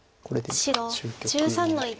白１３の一。